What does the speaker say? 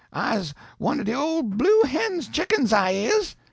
I's one o' de ole Blue Hen's Chickens, I is!'